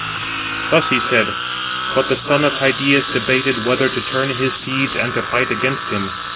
Thus he said; but the son of Tydeus debated whether to turn his steeds, and to fight against him.